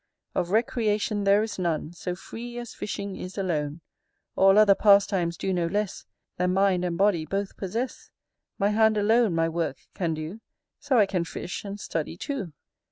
Of recreation there is none So free as fishing is alone; All other pastimes do no less Than mind and body both possess: My hand alone my work can do, So I can fish and study too.